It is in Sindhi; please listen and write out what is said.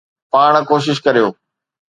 پاڻ ڪوشش ڪريو.